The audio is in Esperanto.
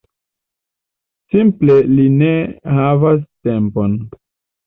Simple li ne havas tempon.